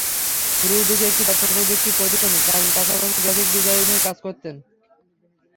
শুরুর দিকে একটি তথ্যপ্রযুক্তি প্রতিষ্ঠানে চাকরির পাশাপাশি গ্রাফিক ডিজাইনের কাজ করতেন।